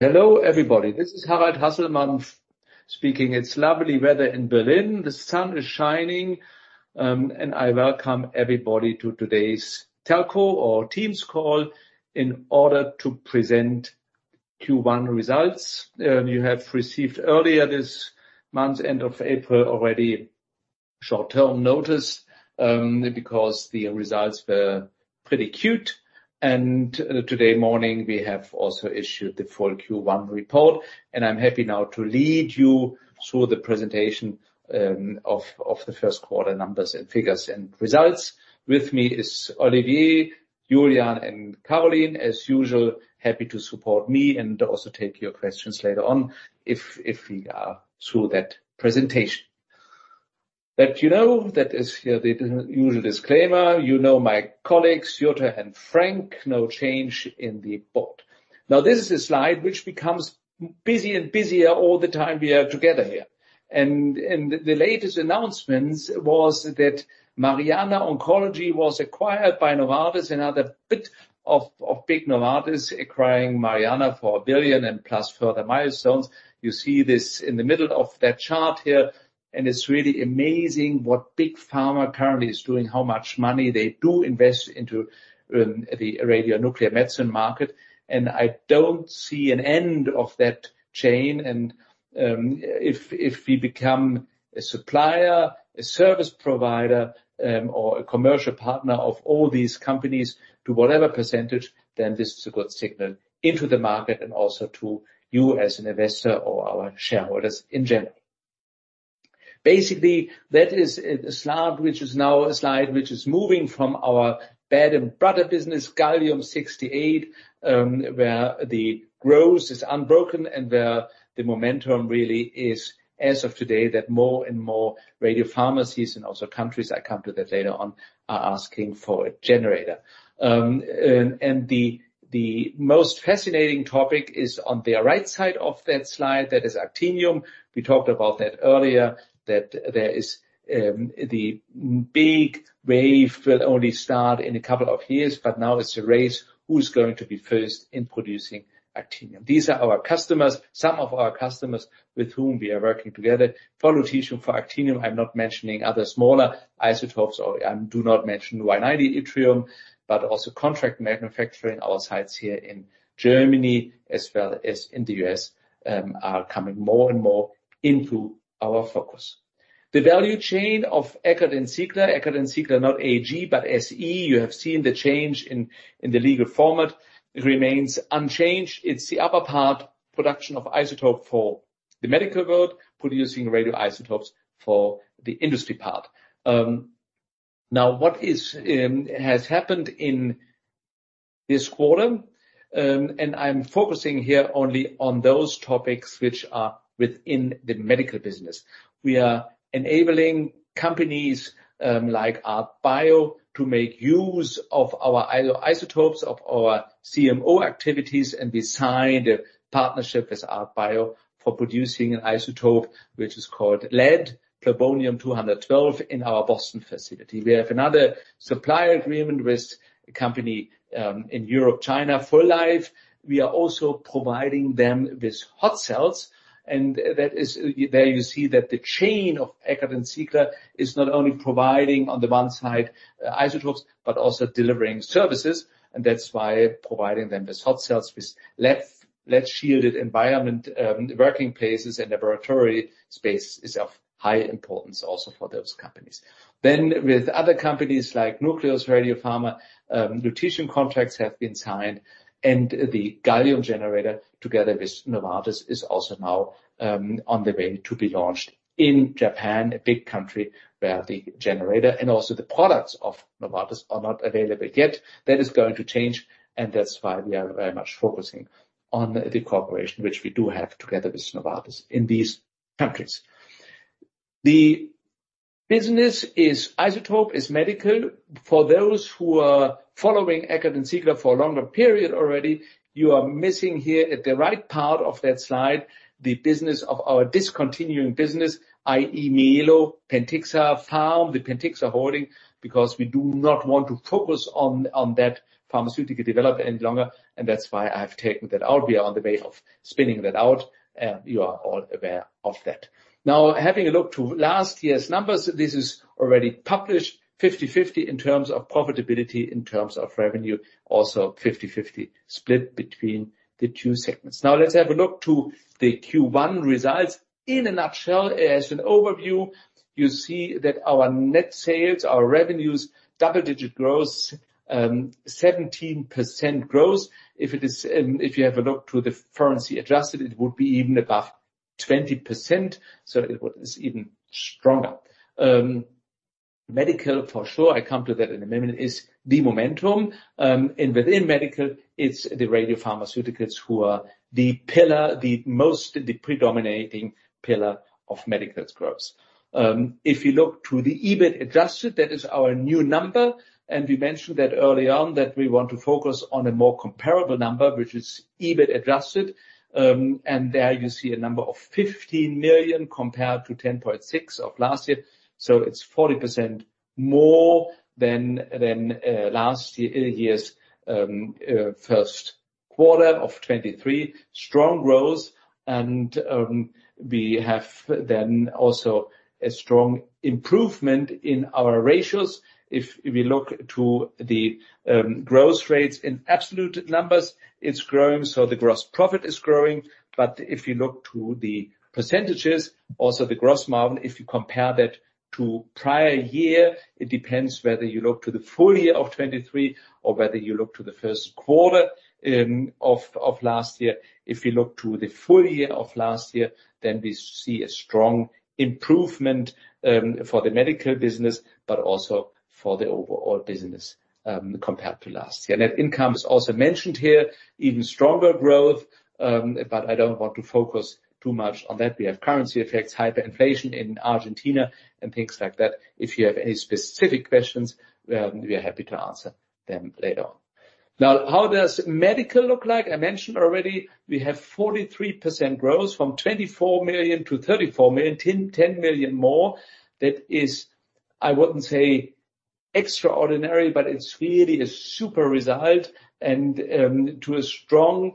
Hello, everybody. This is Harald Hasselmann speaking. It's lovely weather in Berlin. The sun is shining, and I welcome everybody to today's telco or Teams call in order to present Q1 results. You have received earlier this month, end of April, already short-term notice, because the results were prettygood, and today morning, we have also issued the full Q1 report. And I'm happy now to lead you through the presentation, of the first quarter numbers and figures and results. With me is Olivier, Julian, and Karolin, as usual, happy to support me and also take your questions later on if we are through that presentation. That you know, that is the usual disclaimer. You know my colleagues, Jutta and Frank, no change in the board. Now, this is a slide which becomes busier and busier all the time we are together here. And the latest announcements was that Mariana Oncology was acquired by Novartis, another bit of big Novartis acquiring Mariana for $1 billion plus further milestones. You see this in the middle of that chart here, and it's really amazing what big pharma currently is doing, how much money they do invest into the radionuclear medicine market. And I don't see an end of that chain. And if we become a supplier, a service provider, or a commercial partner of all these companies, to whatever percentage, then this is a good signal into the market and also to you as an investor or our shareholders in general. Basically, that is a slide which is moving from our bread and butter business, Gallium-68, where the growth is unbroken and where the momentum really is, as of today, that more and more radiopharmacies and also countries, I come to that later on, are asking for a generator. And the most fascinating topic is on the right side of that slide, that is Actinium. We talked about that earlier, that there is the big wave will only start in a couple of years, but now it's a race who's going to be first in producing Actinium. These are our customers, some of our customers with whom we are working together. For Lutetium, for Actinium, I'm not mentioning other smaller isotopes, or I do not mention Y-90 yttrium, but also contract manufacturing. Our sites here in Germany, as well as in the U.S., are coming more and more into our focus. The value chain of Eckert & Ziegler, Eckert & Ziegler, not AG, but SE. You have seen the change in the legal format, remains unchanged. It's the upper part, production of isotope for the medical world, producing radioisotopes for the industry part. Now, has happened in this quarter, and I'm focusing here only on those topics which are within the medical business. We are enabling companies like ARTBIO, to make use of our isotopes, of our CMO activities, and we signed a partnership with ARTBIO for producing an isotope, which is called Lead-212, in our Boston facility. We have another supplier agreement with a company in Europe and China, Full-Life. We are also providing them with hot cells, and that is, there you see that the chain of Eckert & Ziegler is not only providing, on the one side, isotopes, but also delivering services, and that's why providing them with hot cells, with lead-shielded environment, working places and laboratory space is of high importance also for those companies. Then, with other companies like Nucleus RadioPharma, lutetium contracts have been signed, and the gallium generator, together with Novartis, is also now on the way to be launched in Japan, a big country, where the generator and also the products of Novartis are not available yet. That is going to change, and that's why we are very much focusing on the cooperation which we do have together with Novartis in these countries. The business is isotope, is medical. For those who are following Eckert & Ziegler for a longer period already, you are missing here at the right part of that slide, the business of our discontinuing business, i.e., Myelo, Pentixapharm, the Pentixapharm holding, because we do not want to focus on that pharmaceutical development any longer, and that's why I've taken that out. We are on the way of spinning that out, and you are all aware of that. Now, having a look to last year's numbers, this is already published, 50/50 in terms of profitability, in terms of revenue, also 50/50 split between the two segments. Now, let's have a look to the Q1 results. In a nutshell, as an overview, you see that our net sales, our revenues, double-digit growth, 17% growth. If it is, if you have a look to the currency adjusted, it would be even above 20%, so it is even stronger. Medical, for sure, I come to that in a minute, is the momentum, and within medical, it's the radiopharmaceuticals who are the pillar, the most, the predominating pillar of medical's growth. If you look to the EBIT adjusted, that is our new number, and we mentioned that early on, that we want to focus on a more comparable number, which is EBIT adjusted, and there you see a number of 15 million compared to 10.6 million of last year. So it's 40% more than last year's first quarter of 2023, strong growth, and we have then also a strong improvement in our ratios. If we look to the growth rates in absolute numbers, it's growing, so the gross profit is growing. But if you look to the percentages, also the gross margin, if you compare that to prior year, it depends whether you look to the full year of 2023 or whether you look to the first quarter of last year. If you look to the full year of last year, then we see a strong improvement for the medical business, but also for the overall business compared to last year. Net income is also mentioned here, even stronger growth, but I don't want to focus too much on that. We have currency effects, hyperinflation in Argentina, and things like that. If you have any specific questions, we are happy to answer them later on. Now, how does medical look like? I mentioned already, we have 43% growth from 24 million to 34 million, 10 million more. That is, I wouldn't say extraordinary, but it's really a super result, and to a strong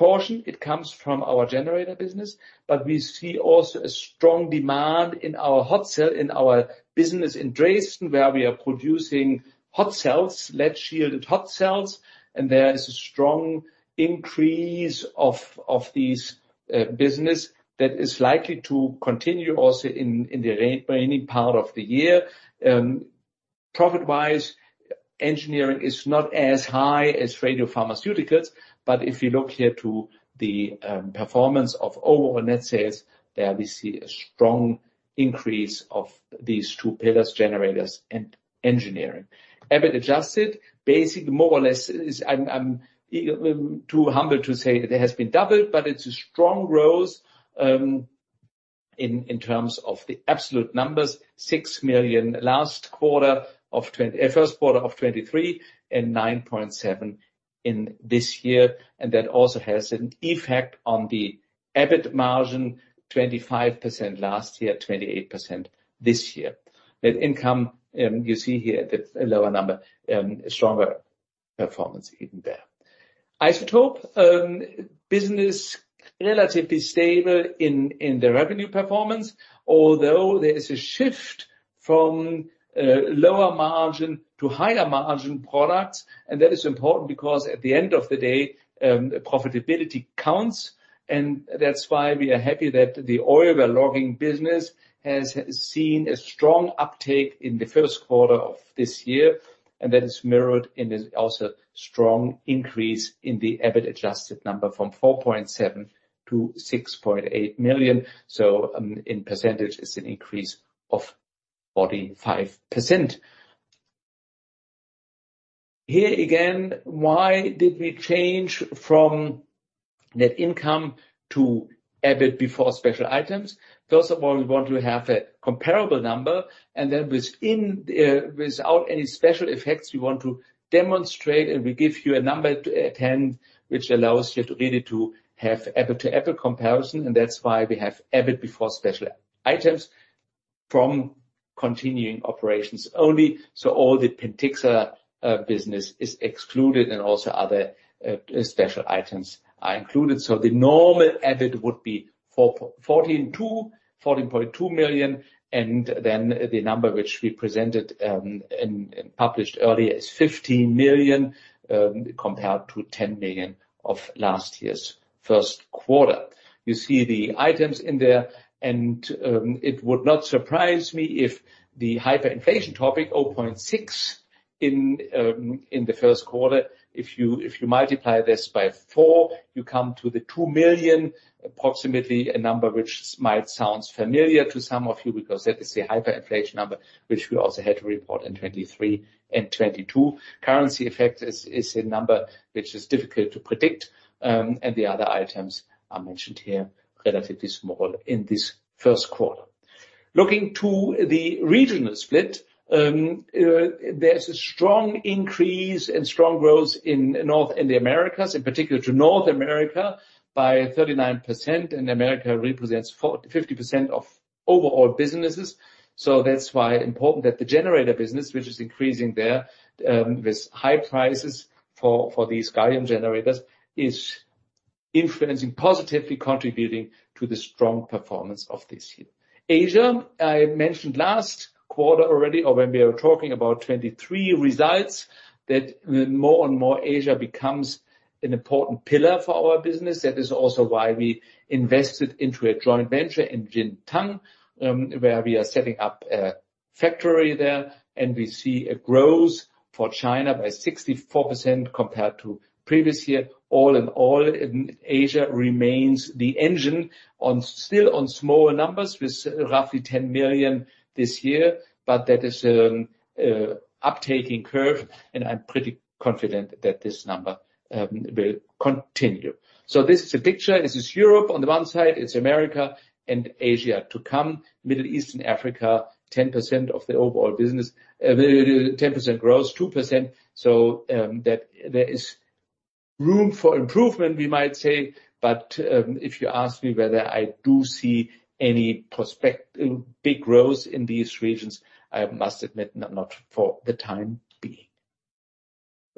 portion, it comes from our generator business. But we see also a strong demand in our hot cell, in our business in Dresden, where we are producing hot cells, lead shielded hot cells, and there is a strong increase of these business that is likely to continue also in the remaining part of the year. Profit-wise, engineering is not as high as radiopharmaceuticals, but if you look here to the performance of overall net sales, there we see a strong increase of these two pillars, generators and engineering. EBIT adjusted, basic more or less, is. I'm too humble to say it has been doubled, but it's a strong growth in terms of the absolute numbers. 6 million first quarter of 2023, and 9.7 million in this year, and that also has an effect on the EBIT margin, 25% last year, 28% this year. Net income, you see here, that's a lower number, a stronger performance even there. Isotope business, relatively stable in the revenue performance, although there is a shift from lower margin to higher margin products. That is important because at the end of the day, profitability counts, and that's why we are happy that the oil logging business has seen a strong uptake in the first quarter of this year, and that is mirrored in the also strong increase in the EBIT adjusted number from 4.7 million to 6.8 million. So, in percentage, it's an increase of 45%. Here, again, why did we change from net income to EBIT before special items? First of all, we want to have a comparable number, and then within, without any special effects, we want to demonstrate, and we give you a number to attend, which allows you to really to have apples-to-apples comparison, and that's why we have EBIT before special items from continuing operations only. So all the Pentixapharm business is excluded, and also other special items are included. So the normal EBIT would be 14.2 million, and then the number which we presented, and published earlier is 15 million, compared to 10 million of last year's first quarter. You see the items in there, and it would not surprise me if the hyperinflation topic, 0.6 in the first quarter. If you multiply this by four, you come to 2 million, approximately, a number which might sounds familiar to some of you, because that is the hyperinflation number, which we also had to report in 2023 and 2022. Currency effect is a number which is difficult to predict, and the other items are mentioned here, relatively small in this first quarter. Looking to the regional split, there's a strong increase and strong growth in North and the Americas, in particular to North America, by 39%, and America represents 50% of overall businesses. So that's why important that the generator business, which is increasing there, with high prices for these gallium generators, is influencing, positively contributing to the strong performance of this year. Asia, I mentioned last quarter already, or when we were talking about 2023 results, that more and more Asia becomes an important pillar for our business. That is also why we invested into a joint venture in Jintan, where we are setting up a factory there, and we see a growth for China by 64% compared to previous year. All in all, Asia remains the engine still on smaller numbers, with roughly 10 million this year, but that is, uptaking curve, and I'm pretty confident that this number, will continue. So this is the picture. This is Europe on the one side, it's America and Asia to come. Middle East and Africa, 10% of the overall business, 10% growth, 2%, so, that there is room for improvement, we might say, but, if you ask me whether I do see any prospect big growth in these regions, I must admit, not for the time being.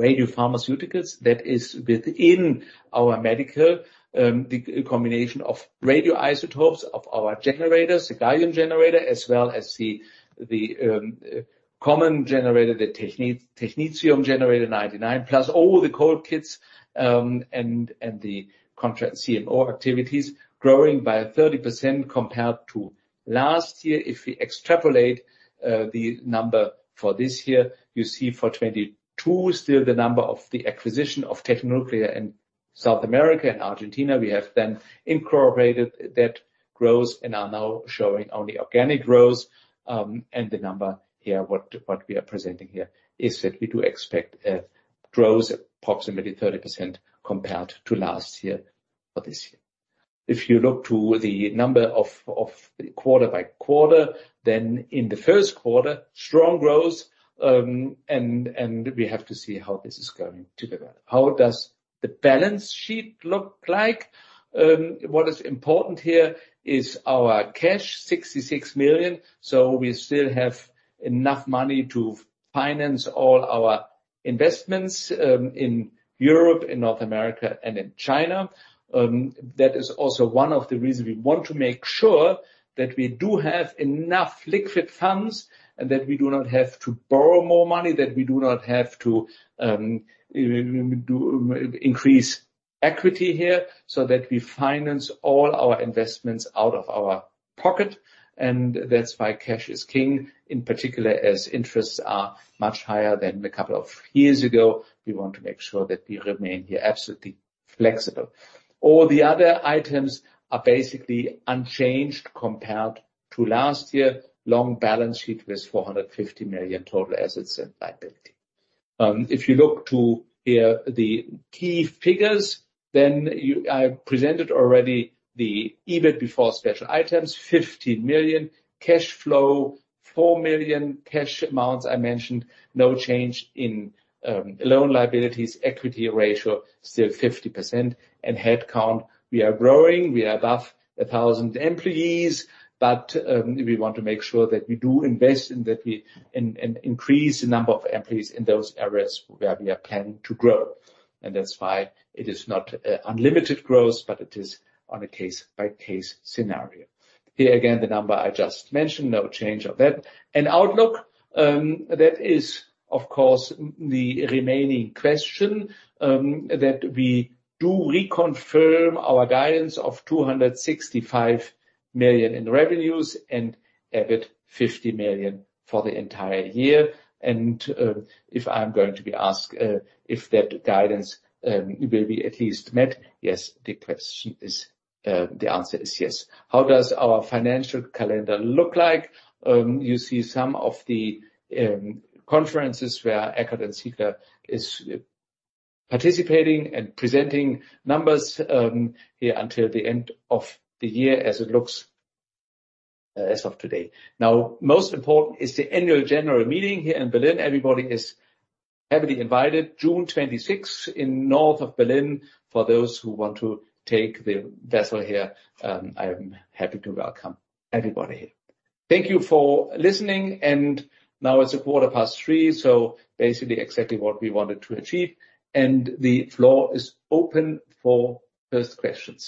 Radiopharmaceuticals, that is within our medical, the combination of radioisotopes of our generators, the gallium generator, as well as the common generator, the Technetium-99m generator, plus all the cold kits, and the contract CMO activities, growing by 30% compared to last year. If we extrapolate the number for this year, you see for 2022, still the number of the acquisition of Tecnonuclear in South America and Argentina. We have then incorporated that growth and are now showing only organic growth. And the number here, what we are presenting here, is that we do expect a growth approximately 30% compared to last year for this year. If you look to the number of quarter by quarter, then in the first quarter, strong growth, and we have to see how this is going to develop. How does the balance sheet look like? What is important here is our cash, 66 million, so we still have enough money to finance all our investments, in Europe, in North America, and in China. That is also one of the reasons we want to make sure that we do have enough liquid funds and that we do not have to borrow more money, that we do not have to increase equity here, so that we finance all our investments out of our pocket. And that's why cash is king, in particular, as interests are much higher than a couple of years ago. We want to make sure that we remain here absolutely flexible. All the other items are basically unchanged compared to last year. Long balance sheet with 450 million total assets and liability. If you look to here, the key figures, then I presented already the EBIT before special items, 50 million, cash flow, 4 million, cash amounts, I mentioned, no change in loan liabilities, equity ratio, still 50%, and headcount, we are growing. We are above 1,000 employees, but we want to make sure that we do invest and that we increase the number of employees in those areas where we are planning to grow. And that's why it is not unlimited growth, but it is on a case-by-case scenario. Here, again, the number I just mentioned, no change of that. And outlook, that is, of course, the remaining question, that we do reconfirm our guidance of 265 million in revenues and EBIT 50 million for the entire year. And, if I'm going to be asked, if that guidance will be at least met, yes, the question is, the answer is yes. How does our financial calendar look like? You see some of the conferences where Eckert & Ziegler is participating and presenting numbers here until the end of the year, as it looks, as of today. Now, most important is the annual general meeting here in Berlin. Everybody is heavily invited, June 26th, in north of Berlin, for those who want to take the vessel here, I am happy to welcome everybody. Thank you for listening, and now it's 3:15 P.M., so basically exactly what we wanted to achieve. And the floor is open for first questions.